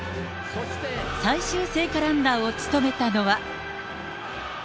最終聖火ランナーを務めたのは。